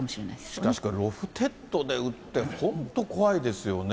しかし、これ、ロフテッドで撃って、本当怖いですよね。